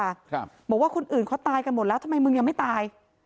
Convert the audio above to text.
ครับบอกว่าคนอื่นเขาตายกันหมดแล้วทำไมมึงยังไม่ตาย